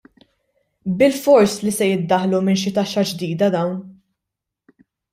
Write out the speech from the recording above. Bilfors li se jiddaħħlu minn xi taxxa ġdida dawn.